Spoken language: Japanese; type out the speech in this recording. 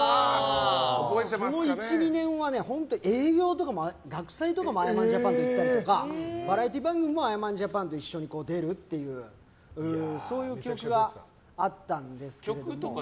その１２年は営業とか、学祭とかもあやまんＪＡＰＡＮと行ったりとかバラエティー番組もあやまんＪＡＰＡＮと一緒に出るというそういう記憶があったんですけど。